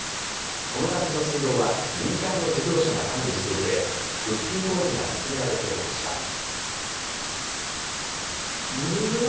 この団地の水道は民間の事業者が管理していて復旧工事が進められていました。